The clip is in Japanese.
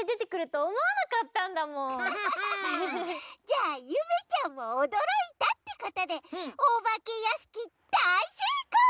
じゃあゆめちゃんもおどろいたってことでおばけやしきだいせいこう！